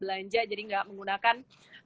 belanja jadi gak menggunakan